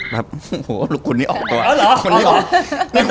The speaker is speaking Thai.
ขอบคุณนี่ออกตัวอะ